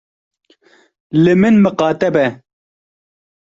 Li min miqate be.